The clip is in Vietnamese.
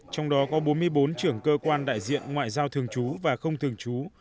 trong đó có bốn mươi bốn trưởng cơ quan đại diện ngoại giao thường trú và không thường trú